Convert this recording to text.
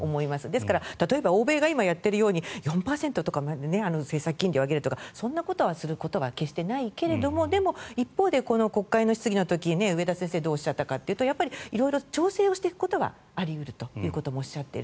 ですから、例えば欧米が今やっているように４％とか政策金利を上げるとかそんなことをすることは決してないけれども一方で、国会の質疑の時に植田先生どうおっしゃったかというと調整をしていくことがあり得るということもおっしゃっている。